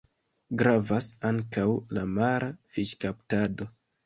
Gravas ankaŭ la mara fiŝkaptado.